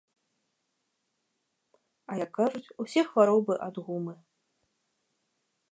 А як кажуць, усе хваробы ад гумы.